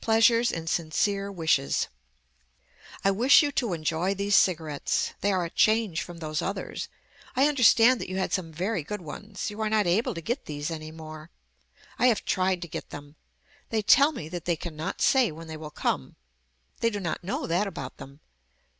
PLEASURES IN SINCERE WISHES I wish you to enjoy these cigarettes. They are a change from those others. I understand that you had some very good ones. You are not able to get these any more. I have tried to get them. They tell me that they cannot say when they will come. They do not know that about them.